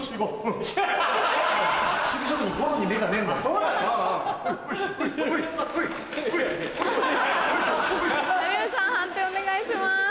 判定お願いします。